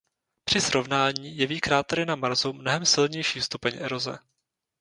Při srovnání jeví krátery na Marsu mnohem silnější stupeň eroze.